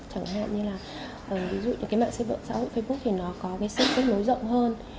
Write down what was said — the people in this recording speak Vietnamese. chẳng hạn như là ví dụ như cái mạng xã hội xã hội facebook thì nó có cái sức kết nối rộng hơn